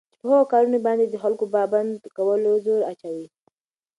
چې په هغو كارونو باندي دخلكوپه پابند كولو زور اچوي